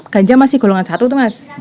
ganja masih golongan satu tuh mas